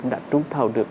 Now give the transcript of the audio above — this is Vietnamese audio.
đã trung thầu được